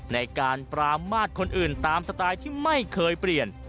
ในการปรามาทคนอื่นตามสไตล์ที่ไม่เคยเปลี่ยน